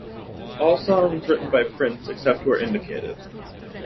All songs written by Prince, except where indicated.